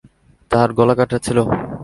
তার গলাকাটা ছিলো।